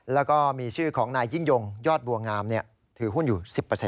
แล้วก็มีชื่อของนายยิ่งยงยอดบัวงามถือหุ้นอยู่๑๐